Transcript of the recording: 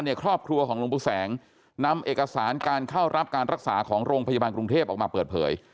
ครอบครัวของหลวงปู่แสงนำเอกสารการเข้ารับการรักษาของโรงพยาบาลกรุงเทพออกมาเปิดเผย